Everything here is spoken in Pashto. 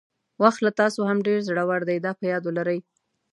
وخت له تاسو هم ډېر زړور دی دا په یاد ولرئ.